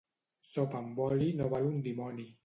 Sopa amb oli no val un dimoni.